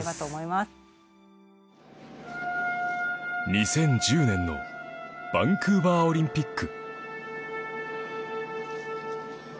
２０１０年のバンクーバーオリンピック